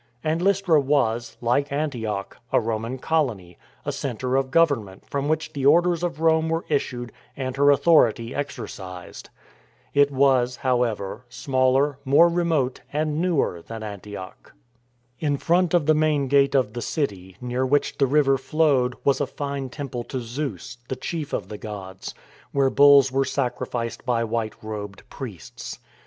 And Lystra was — like Antioch — a Roman Colony, a centre of government from which the orders of Rome were issued and her authority exercised. It was, however, smaller, more remote and newer than Antioch. In front of the main gate of the city, near which the river flowed, was a fine temple to Zeus — the chief of the gods — where bulls were sacrificed by white robed priests.